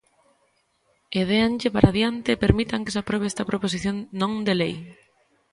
E déanlle para adiante e permitan que se aprobe esta proposición non de lei.